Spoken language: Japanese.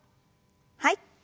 はい。